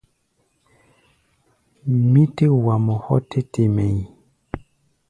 Mí tɛ́ wa mɔ hɔ́ tɛ́ te mɛʼí̧.